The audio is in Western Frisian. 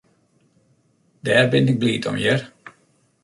Dêr bin ik bliid om, hear.